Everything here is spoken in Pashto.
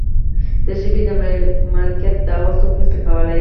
د ژبې د مالکیت دعوه څوک نشي کولی.